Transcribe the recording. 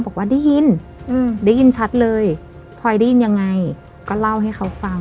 บอกว่าได้ยินได้ยินชัดเลยพลอยได้ยินยังไงก็เล่าให้เขาฟัง